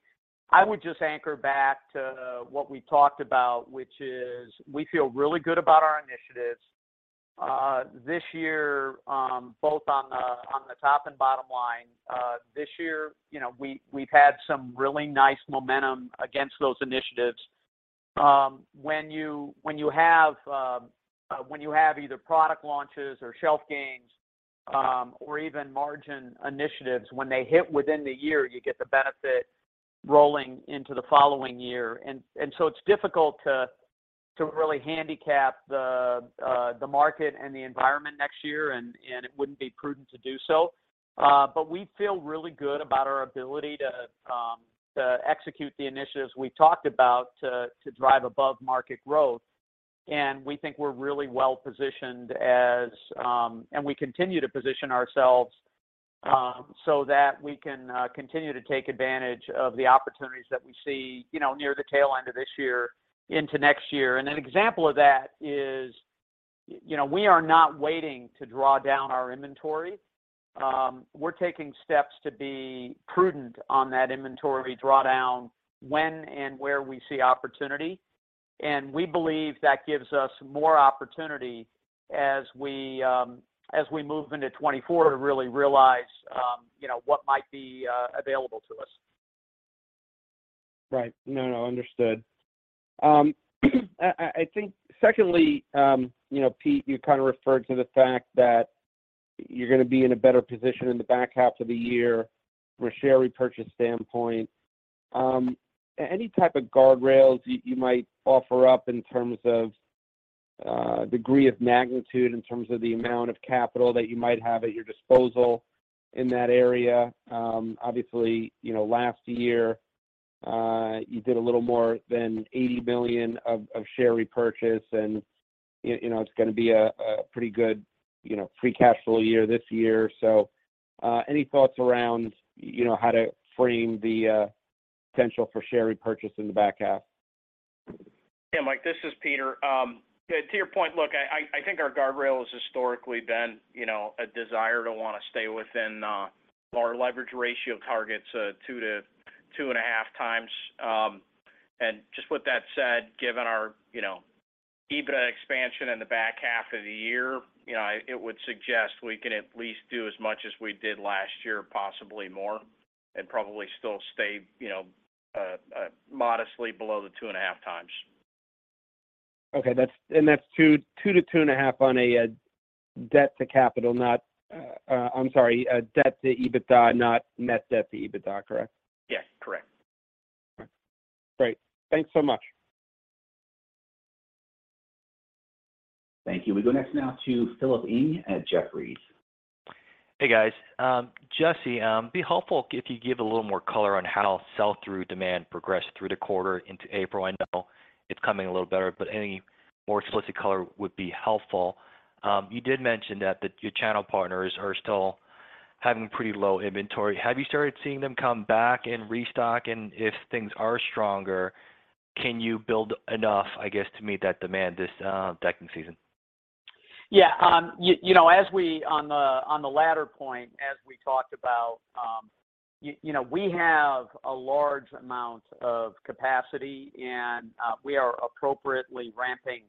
I would just anchor back to what we talked about, which is we feel really good about our initiatives. This year, both on the top and bottom line. This year, you know, we've had some really nice momentum against those initiatives. When you have either product launches or shelf gains, or even margin initiatives, when they hit within the year, you get the benefit rolling into the following year. So it's difficult to really handicap the market and the environment next year, and it wouldn't be prudent to do so. But we feel really good about our ability to execute the initiatives we talked about to drive above-market growth. We think we're really well-positioned as, and we continue to position ourselves, so that we can continue to take advantage of the opportunities that we see, you know, near the tail end of this year into next year. An example of that is, you know, we are not waiting to draw down our inventory. We're taking steps to be prudent on that inventory drawdown when and where we see opportunity. We believe that gives us more opportunity as we, as we move into 2024 to really realize, you know, what might be available to us. Right. No, no, understood. I think secondly, you know, Pete, you kind of referred to the fact that you're gonna be in a better position in the back half of the year from a share repurchase standpoint. Any type of guardrails you might offer up in terms of degree of magnitude in terms of the amount of capital that you might have at your disposal in that area? Obviously, you know, last year, you did a little more than $80 million of share repurchase and, you know, it's gonna be a pretty good, you know, free cash flow year this year. Any thoughts around, you know, how to frame the potential for share repurchase in the back half? Mike, this is Peter. To your point, look, I think our guardrail has historically been, you know, a desire to want to stay within our leverage ratio targets, 2-2.5 times. Just with that said, given our, you know, EBITDA expansion in the back half of the year, you know, it would suggest we can at least do as much as we did last year, possibly more, and probably still stay, you know, modestly below the 2.5 times. Okay. That's 2-2.5 on a debt to capital, not debt to EBITDA, not net debt to EBITDA, correct? Yes, correct. All right. Great. Thanks so much. Thank you. We go next now to Philip Ng at Jefferies. Hey, guys. Jesse, it'd be helpful if you give a little more color on how sell-through demand progressed through the quarter into April. I know it's coming a little better, any more explicit color would be helpful. You did mention that your channel partners are still having pretty low inventory. Have you started seeing them come back and restock? If things are stronger, can you build enough, I guess, to meet that demand this decking season? You know, on the, on the latter point, as we talked about, you know, we have a large amount of capacity and we are appropriately ramping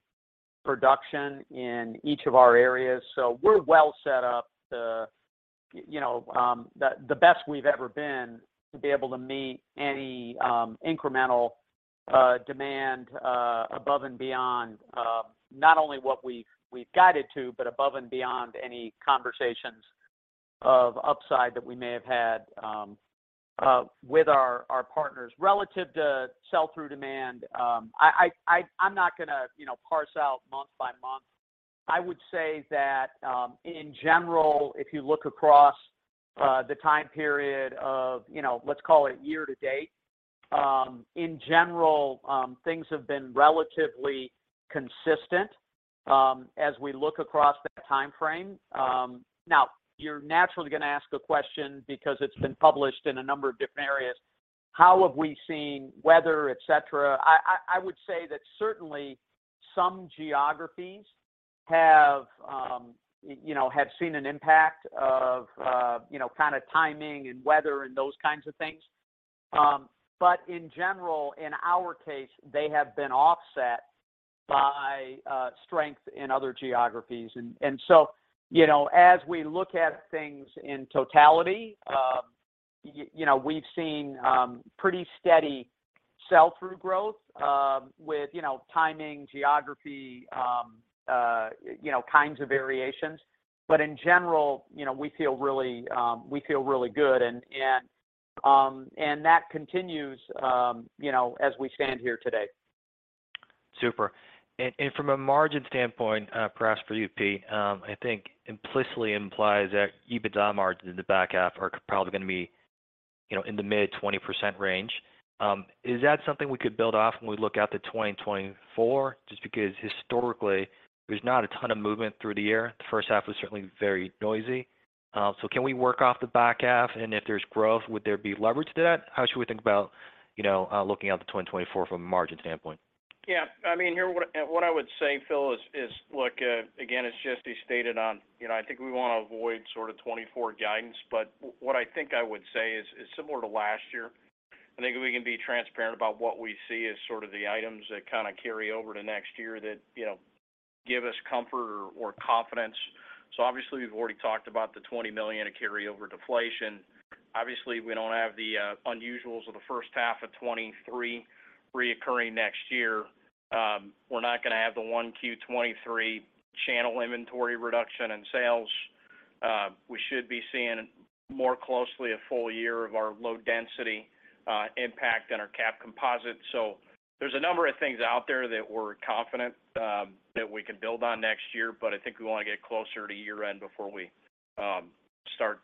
production in each of our areas. We're well set up to, you know, the best we've ever been to be able to meet any incremental demand above and beyond not only what we've guided to, but above and beyond any conversations of upside that we may have had with our partners. Relative to sell-through demand, I'm not gonna, you know, parse out month by month. I would say that, in general, if you look across the time period of, you know, let's call it year to date, in general, things have been relatively consistent, as we look across that timeframe. You're naturally gonna ask a question because it's been published in a number of different areas, how have we seen weather, et cetera? I would say that certainly some geographies have, you know, have seen an impact of, you know, kind of timing and weather and those kinds of things. In general, in our case, they have been offset by strength in other geographies. So, you know, as we look at things in totality, you know, we've seen pretty steady sell-through growth, with, you know, timing, geography, you know, kinds of variations. In general, you know, we feel really, we feel really good and that continues, you know, as we stand here today. Super. From a margin standpoint, perhaps for you, Pete, I think implicitly implies that EBITDA margins in the back half are probably gonna be, you know, in the mid 20% range. Is that something we could build off when we look out to 2024? Just because historically there's not a ton of movement through the year. The first half was certainly very noisy. Can we work off the back half? If there's growth, would there be leverage to that? How should we think about, you know, looking out to 2024 from a margin standpoint? Yeah. I mean, here, what I would say, Phil, is look, again, as Jesse stated on, you know, I think we wanna avoid sort of 2024 guidance, but what I think I would say is similar to last year. I think we can be transparent about what we see as sort of the items that kind of carry over to next year that, you know, give us comfort or confidence. Obviously, we've already talked about the $20 million of carryover deflation. Obviously, we don't have the unusuals of the first half of 2023 reoccurring next year. We're not gonna have the 1Q 2023 channel inventory reduction in sales. We should be seeing more closely a full year of our low density impact on our capped composite. There's a number of things out there that we're confident that we can build on next year. I think we want to get closer to year-end before we start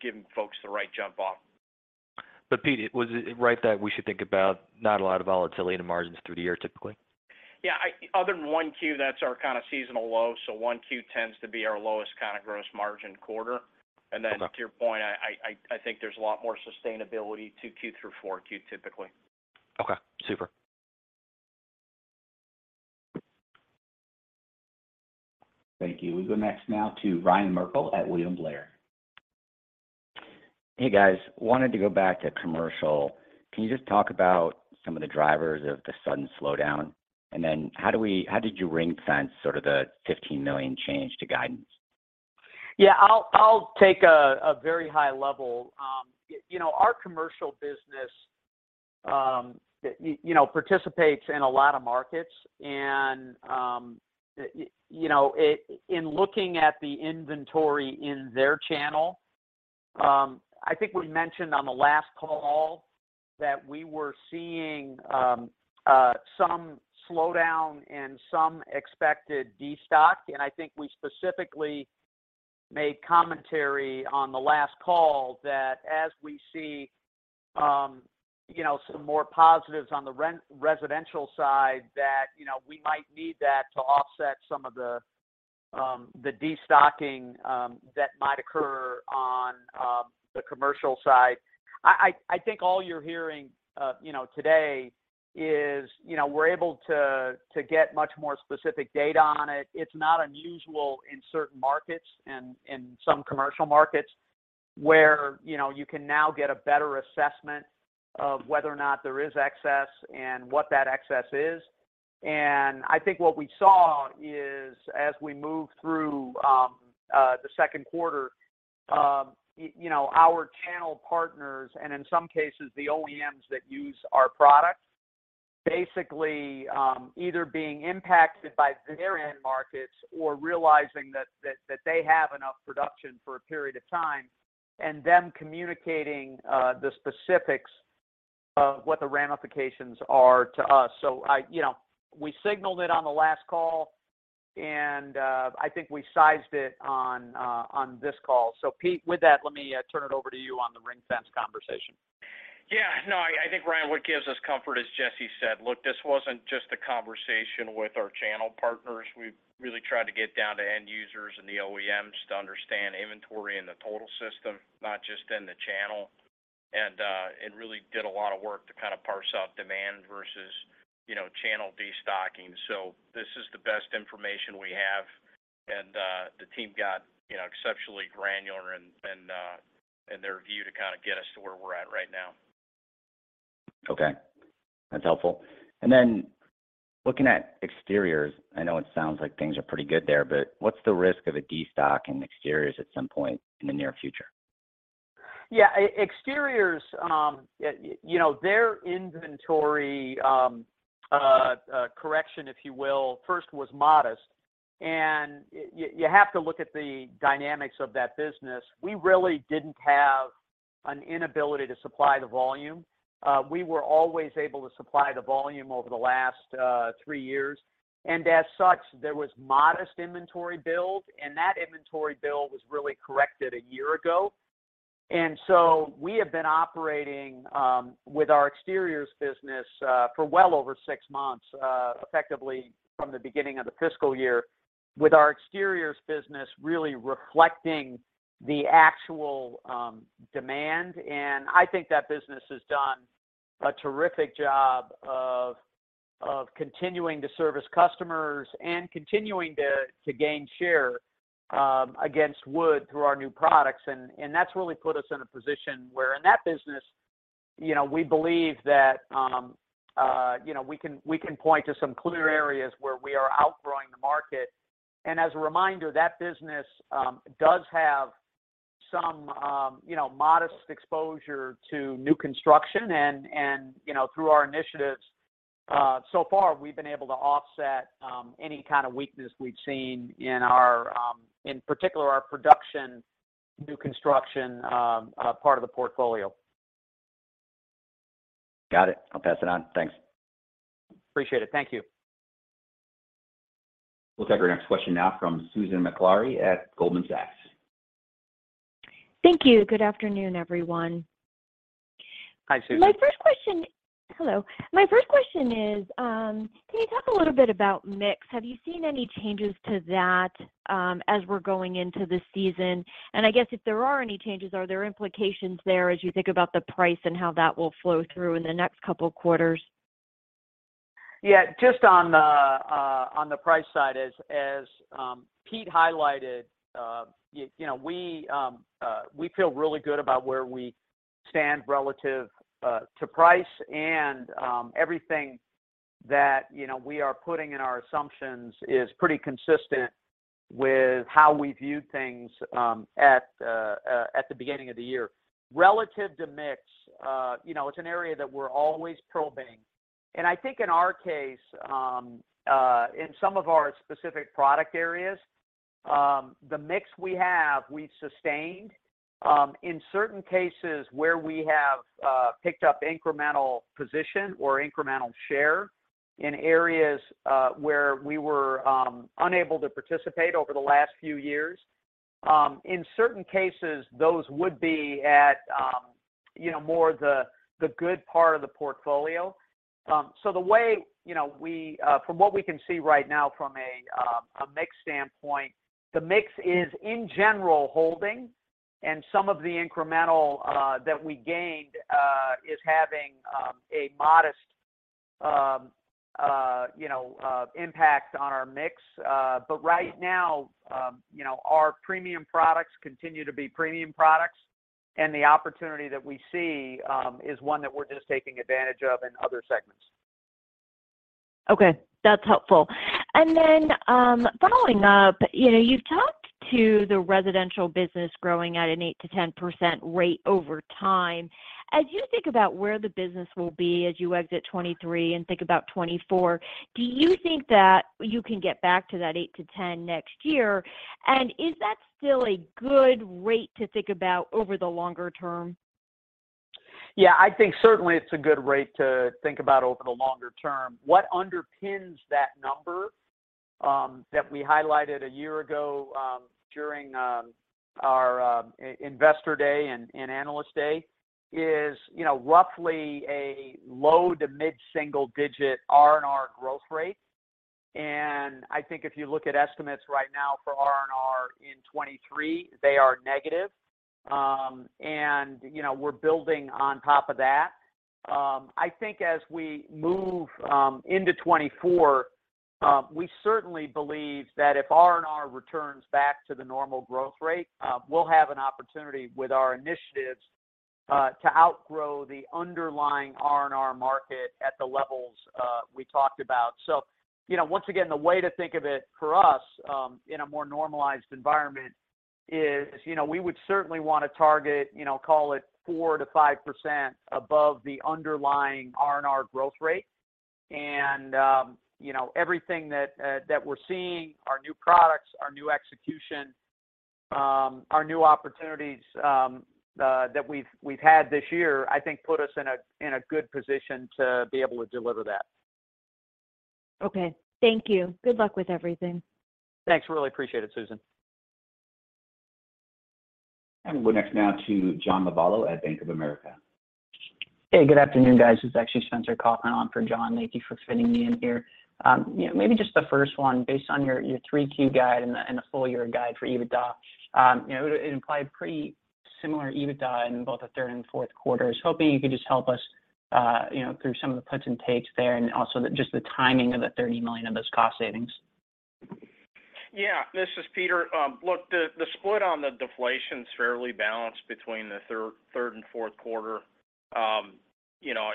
giving folks the right jump off. Pete, was it right that we should think about not a lot of volatility in the margins through the year, typically? Yeah. Other than 1Q, that's our kind of seasonal low, so 1Q tends to be our lowest kind of gross margin quarter. Okay. To your point, I think there's a lot more sustainability 2Q through 4Q, typically. Okay. Super. Thank you. We go next now to Ryan Merkel at William Blair. Hey, guys. Wanted to go back to commercial. Can you just talk about some of the drivers of the sudden slowdown? How did you ring fence sort of the $15 million change to guidance? Yeah. I'll take a very high level. You know, our commercial business, you know, participates in a lot of markets and, you know, in looking at the inventory in their channel, I think we mentioned on the last call that we were seeing some slowdown and some expected destock. I think we specifically made commentary on the last call that as we see, you know, some more positives on the residential side, that, you know, we might need that to offset some of the destocking that might occur on the commercial side. I think all you're hearing, you know, today is, you know, we're able to get much more specific data on it. It's not unusual in certain markets and in some commercial markets where, you know, you can now get a better assessment of whether or not there is excess and what that excess is. I think what we saw is as we moved through the second quarter, you know, our channel partners, and in some cases the OEMs that use our product, basically, either being impacted by their end markets or realizing that they have enough production for a period of time, and them communicating the specifics of what the ramifications are to us. I, you know, we signaled it on the last call, and I think we sized it on this call. Pete, with that, let me turn it over to you on the ring fence conversation. I think, Ryan, what gives us comfort, as Jesse said, look, this wasn't just a conversation with our channel partners. We really tried to get down to end users and the OEMs to understand inventory in the total system, not just in the channel. Really did a lot of work to kind of parse out demand versus, you know, channel destocking. This is the best information we have, the team got, you know, exceptionally granular in their view to kind of get us to where we're at right now. Okay. That's helpful. Looking at exteriors, I know it sounds like things are pretty good there, but what's the risk of a destock in exteriors at some point in the near future? Yeah. Exteriors, you know, their inventory correction, if you will, first was modest. You have to look at the dynamics of that business. We really didn't have an inability to supply the volume. We were always able to supply the volume over the last three years. As such, there was modest inventory build, and that inventory build was really corrected a year ago. We have been operating with our exteriors business for well over six months, effectively from the beginning of the fiscal year with our exteriors business really reflecting the actual demand. I think that business has done a terrific job of continuing to service customers and continuing to gain share against wood through our new products. That's really put us in a position where in that business, you know, we believe that, you know, we can, we can point to some clear areas where we are outgrowing the market. As a reminder, that business does have some, you know, modest exposure to new construction and, you know, through our initiatives, so far we've been able to offset any kind of weakness we've seen in our, in particular our production new construction part of the portfolio. Got it. I'll pass it on. Thanks. Appreciate it. Thank you. We'll take our next question now from Susan Maklari at Goldman Sachs. Thank you. Good afternoon, everyone. Hi, Susan. Hello. My first question is, can you talk a little bit about mix? Have you seen any changes to that as we're going into the season? I guess if there are any changes, are there implications there as you think about the price and how that will flow through in the next couple quarters? Yeah. Just on the price side, as Pete highlighted, you know, we feel really good about where we stand relative to price and everything that, you know, we are putting in our assumptions is pretty consistent with how we viewed things at the beginning of the year. Relative to mix, you know, it's an area that we're always probing. I think in our case, in some of our specific product areas, the mix we've sustained. In certain cases where we have picked up incremental position or incremental share in areas where we were unable to participate over the last few years. In certain cases, those would be at, you know, more the good part of the portfolio. The way, you know, from what we can see right now from a mix standpoint, the mix is in general holding, and some of the incremental that we gained is having a modest, you know, impact on our mix. Right now, you know, our premium products continue to be premium products, and the opportunity that we see is one that we're just taking advantage of in other segments. Okay, that's helpful. Following up, you know, you've talked to the residential business growing at an 8%-10% rate over time. As you think about where the business will be as you exit 2023 and think about 2024, do you think that you can get back to that 8%-10% next year? Is that still a good rate to think about over the longer term? Yeah. I think certainly it's a good rate to think about over the longer term. What underpins that number that we highlighted a year ago during our Investor Day and Analyst Day is, you know, roughly a low to mid-single digit RNR growth rate. I think if you look at estimates right now for RNR in 2023, they are negative. You know, we're building on top of that. I think as we move into 2024, we certainly believe that if RNR returns back to the normal growth rate, we'll have an opportunity with our initiatives to outgrow the underlying RNR market at the levels we talked about. You know, once again, the way to think of it for us, in a more normalized environment is, you know, we would certainly wanna target, you know, call it 4%-5% above the underlying RNR growth rate. You know, everything that we're seeing, our new products, our new execution, our new opportunities, that we've had this year, I think put us in a good position to be able to deliver that. Okay. Thank you. Good luck with everything. Thanks. Really appreciate it, Susan. We'll go next now to John Lovallo at Bank of America. Hey, good afternoon, guys. This is actually Spencer Kaufman on for John. Thank you for fitting me in here. you know, maybe just the first one, based on your three-quarter guide and the, and the full-year guide for EBITDA, you know, it implied pretty similar EBITDA in both the third and fourth quarters. Hoping you could just help us, you know, through some of the puts and takes there and also just the timing of the $30 million of those cost savings. Yeah. This is Peter. look, the split on the deflation's fairly balanced between the third and fourth quarter. you know,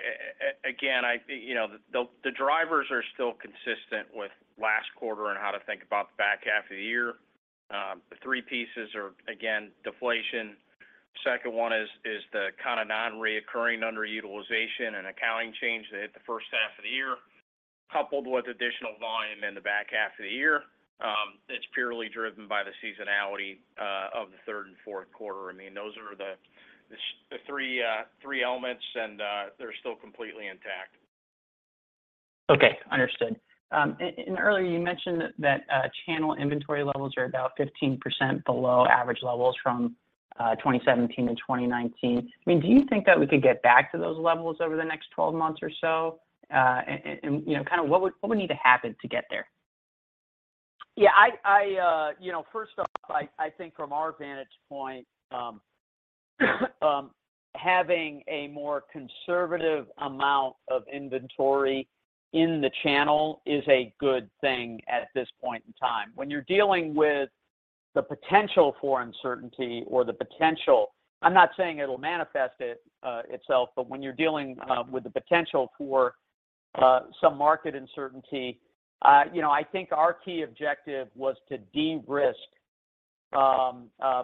again, I, you know, the drivers are still consistent with last quarter and how to think about the back half of the year. the three pieces are, again, deflation. Second one is the kind of non-recurring underutilization and accounting change that hit the first half of the year, coupled with additional volume in the back half of the year. it's purely driven by the seasonality of the third and fourth quarter. I mean, those are the three elements, and they're still completely intact. Okay. Understood. Earlier you mentioned that channel inventory levels are about 15% below average levels from 2017 to 2019. I mean, do you think that we could get back to those levels over the next 12 months or so? You know, what would need to happen to get there? Yeah. I, you know, first off, I think from our vantage point, having a more conservative amount of inventory in the channel is a good thing at this point in time. When you're dealing with the potential for uncertainty or the potential... I'm not saying it'll manifest itself, but when you're dealing with the potential for some market uncertainty, you know, I think our key objective was to de-risk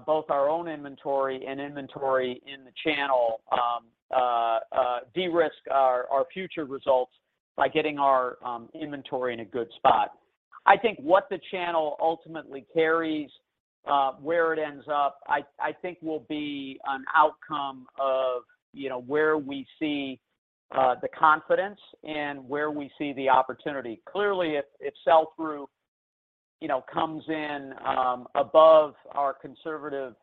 both our own inventory and inventory in the channel, de-risk our future results by getting our inventory in a good spot. I think what the channel ultimately carries, where it ends up, I think will be an outcome of, you know, where we see the confidence and where we see the opportunity. Clearly, if sell-through, you know, comes in above our conservative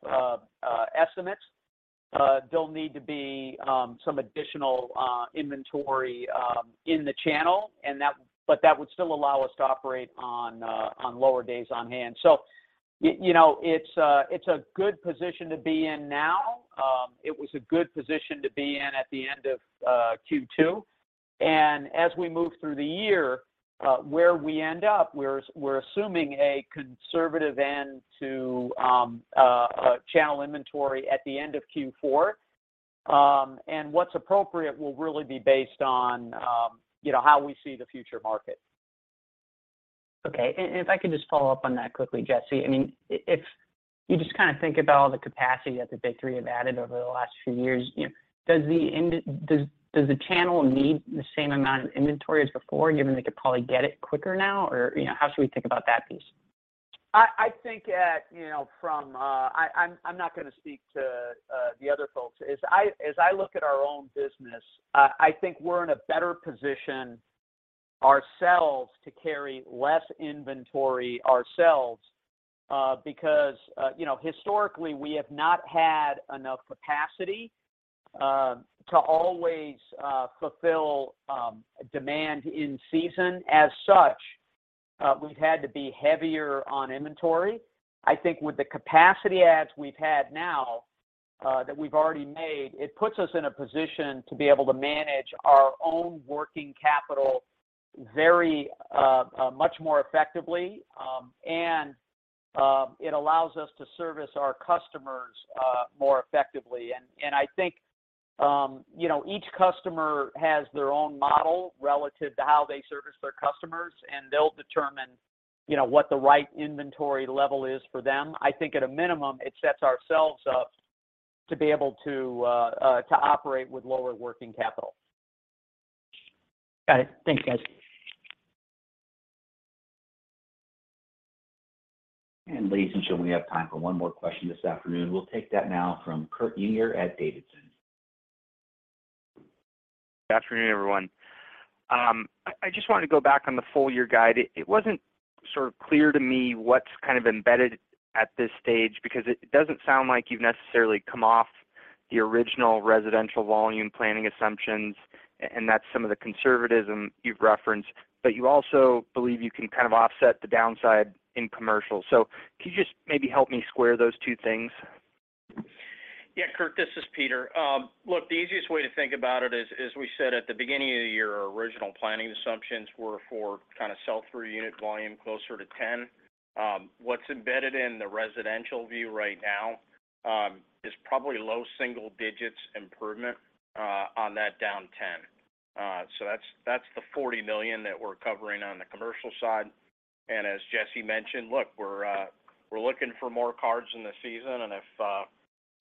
estimates, there'll need to be some additional inventory in the channel but that would still allow us to operate on lower days on hand. You know, it's a good position to be in now. It was a good position to be in at the end of Q2. As we move through the year, where we end up, we're assuming a conservative end to a channel inventory at the end of Q4. What's appropriate will really be based on, you know, how we see the future market. Okay. If I could just follow up on that quickly, Jesse. I mean, if you just kind of think about all the capacity that the big three have added over the last few years, you know, does the channel need the same amount of inventory as before, given they could probably get it quicker now? You know, how should we think about that piece? I think at, you know, from... I'm not gonna speak to the other folks. As I look at our own business, I think we're in a better position ourselves to carry less inventory ourselves, because, you know, historically, we have not had enough capacity to always fulfill demand in season. As such, we've had to be heavier on inventory. I think with the capacity adds we've had now, that we've already made, it puts us in a position to be able to manage our own working capital very much more effectively. It allows us to service our customers, more effectively. I think, you know, each customer has their own model relative to how they service their customers, and they'll determine, you know, what the right inventory level is for them. I think at a minimum, it sets ourselves up to be able to operate with lower working capital. Got it. Thank you, guys. Ladies and gentlemen, we have time for one more question this afternoon. We'll take that now from Kurt Yinger at D.A. Davidson. Good afternoon, everyone. I just wanted to go back on the full-year guide. It wasn't sort of clear to me what's kind of embedded at this stage because it doesn't sound like you've necessarily come off the original residential volume planning assumptions, and that's some of the conservatism you've referenced. You also believe you can kind of offset the downside in commercial. Could you just maybe help me square those two things? Yeah, Kurt, this is Peter. Look, the easiest way to think about it is we said at the beginning of the year, our original planning assumptions were for kind of sell-through unit volume closer to 10. What's embedded in the residential view right now, is probably low single digits improvement, on that down 10. That's the $40 million that we're covering on the commercial side. As Jesse mentioned, look, we're looking for more cards in the season, and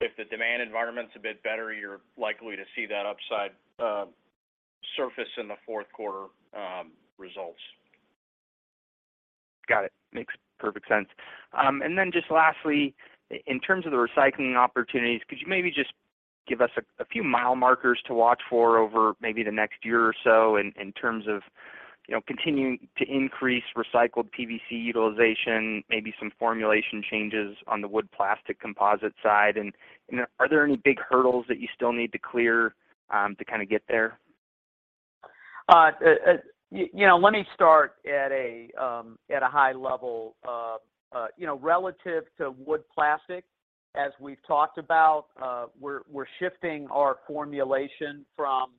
if the demand environment's a bit better, you're likely to see that upside, surface in the fourth quarter, results. Got it. Makes perfect sense. Just lastly, in terms of the recycling opportunities, could you maybe just give us a few mile markers to watch for over maybe the next year or so in terms of. You know, continuing to increase recycled PVC utilization, maybe some formulation changes on the wood plastic composite side. Are there any big hurdles that you still need to clear to kind of get there? You know, let me start at a high level. You know, relative to wood plastic, as we've talked about, we're shifting our formulation from,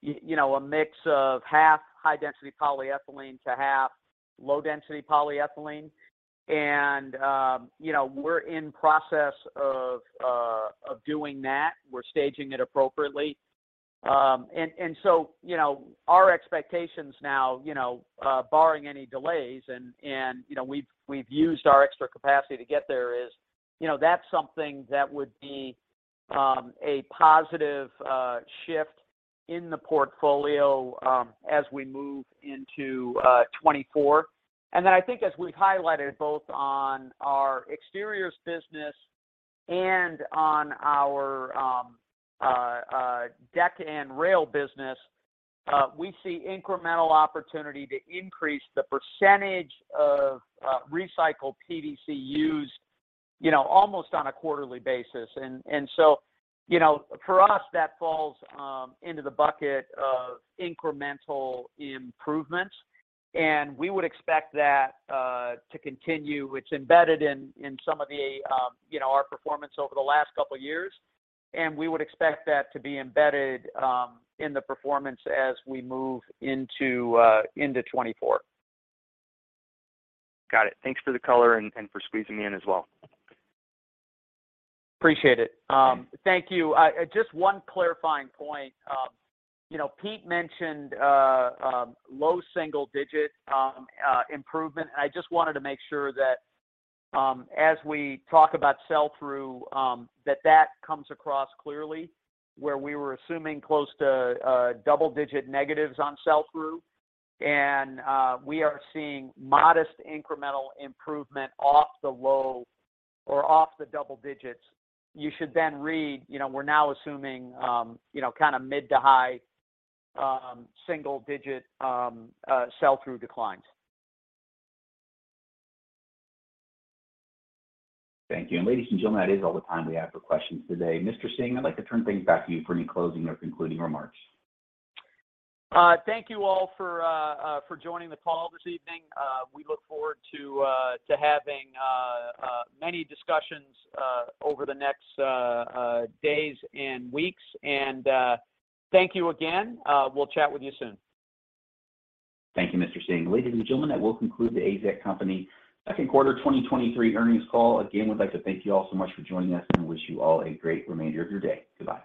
you know, a mix of half high-density polyethylene to half low-density polyethylene. You know, we're in process of doing that. We're staging it appropriately. You know, our expectations now, you know, barring any delays and, you know, we've used our extra capacity to get there is, you know, that's something that would be a positive shift in the portfolio as we move into 2024. I think as we've highlighted both on our exteriors business and on our deck and rail business, we see incremental opportunity to increase the percentage of recycled PVC used, you know, almost on a quarterly basis. You know, for us, that falls into the bucket of incremental improvements, and we would expect that to continue. It's embedded in some of the, you know, our performance over the last couple of years, and we would expect that to be embedded in the performance as we move into 2024. Got it. Thanks for the color and for squeezing me in as well. Appreciate it. Thank you. Just one clarifying point. you know, Pete mentioned low single-digit improvement. I just wanted to make sure that as we talk about sell-through, that that comes across clearly where we were assuming close to double-digit negatives on sell-through. we are seeing modest incremental improvement off the low or off the double digits. You should then read, you know, we're now assuming, you know, kind of mid to high single-digit sell-through declines. Thank you. Ladies and gentlemen, that is all the time we have for questions today. Mr. Singh, I'd like to turn things back to you for any closing or concluding remarks. Thank you all for joining the call this evening. We look forward to having many discussions over the next days and weeks. Thank you again. We'll chat with you soon. Thank you, Mr. Singh. Ladies and gentlemen, that will conclude The AZEK Company second quarter 2023 earnings call. Again, we'd like to thank you all so much for joining us and wish you all a great remainder of your day. Goodbye.